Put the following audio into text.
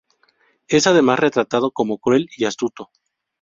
Es además retratado como cruel y astuto.